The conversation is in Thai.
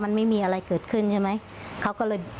มันไม่มีอะไรเกิดขึ้นใช่ไหม